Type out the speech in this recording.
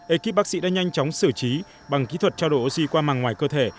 ekip bác sĩ đã nhanh chóng xử trí bằng kỹ thuật trao đổi oxy qua màng ngoài cơ thể